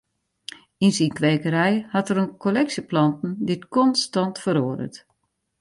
Yn syn kwekerij hat er in kolleksje planten dy't konstant feroaret.